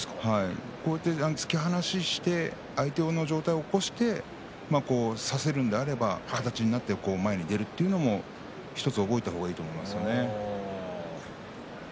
突き放して相手の上体を起こして差せるのであれば前に出るというのも１つ覚えた方がいいと思います。